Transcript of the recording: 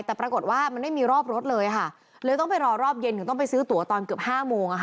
แต่ปรากฏว่ามันไม่มีรอบรถเลยค่ะเลยต้องไปรอรอบเย็นถึงต้องไปซื้อตัวตอนเกือบห้าโมง